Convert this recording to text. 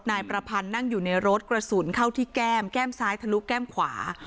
นายประพันธ์นั่งอยู่ในรถกระสุนเข้าที่แก้มแก้มซ้ายทะลุแก้มขวา